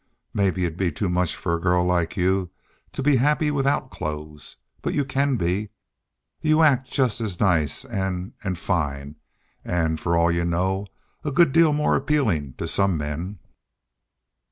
Maybe it 'd be too much for a girl like you to be happy without clothes. But you can be you axe just as nice, an' an' fine an', for all you know, a good deal more appealin' to some men."